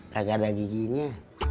kagak ada giginya